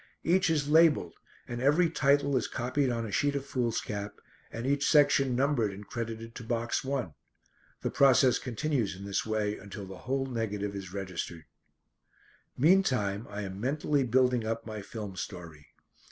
Each is labelled and every title is copied on a sheet of foolscap, and each section numbered and credited to box one. The process continues in this way until the whole negative is registered. Meantime I am mentally building up my film story.